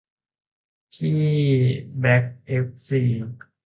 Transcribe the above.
พี่แบ่คเอฟซี